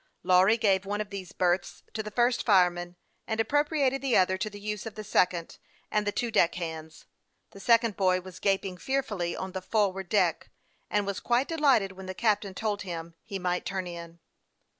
Lawry gave one of these berths to the first fireman, and appropriated the other to the use of the second and the two deck hands. The second boy was 252 HASTE AND WASTE, OR gaping fearfully on the forward deck, and was quite delighted when the captain told him he might turn in.